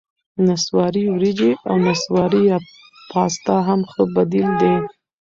نسواري ورېجې او نسواري پاستا هم ښه بدیل دي.